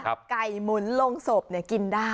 ครับไก่หมุนลงศพเนี้ยกินได้